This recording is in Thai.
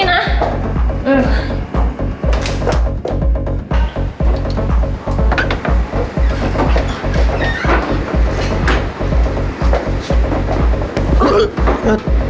นางเฟิร์น